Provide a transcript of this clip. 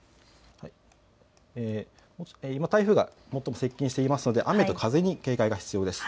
今、台風が最も接近していますので雨と風に警戒が必要です。